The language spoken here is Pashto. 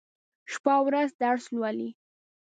شپه او ورځ درس لولي.